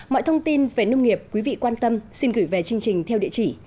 mọi thông tin về nông nghiệp quý vị quan tâm xin gửi về chương trình theo địa chỉ